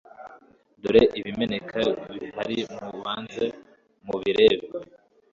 Dore ibimeneka bihari mubanze mubirebe